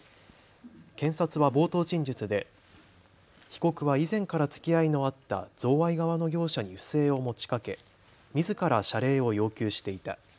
検察は冒頭陳述で被告は以前からつきあいのあった贈賄側の業者に不正を持ちかけみずから謝礼を要求していた。